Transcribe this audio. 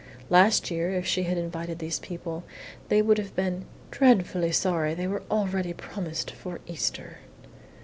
Last year, if she had invited these people, they would have been "dreadfully sorry they were already promised for Easter."